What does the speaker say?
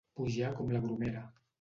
Pujar com la bromera.